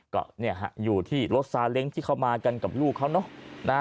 ก็อยู่ที่รถสาเล็งที่เขามากันกับลูกเขาเนาะ